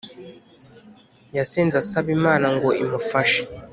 yasenze asaba Imana ngo imufashe